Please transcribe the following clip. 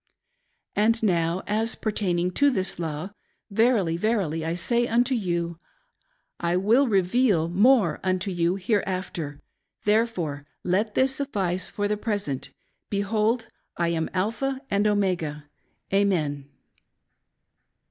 And now, as pertaining to this law : Verily, verily I say unto you, I will reveal more unto you, hereafter ; therefore, let this suffice for the present. Behold, I am Alpha and Omega. Amen.